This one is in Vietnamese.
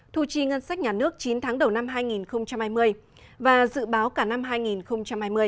thu chi ngân sách nhà nước chín tháng đầu năm hai nghìn hai mươi và dự báo cả năm hai nghìn hai mươi